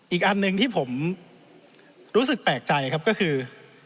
อีกอันหนึ่งที่ผมรู้สึกแปลกใจครับก็คือ